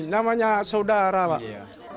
namanya saudara bang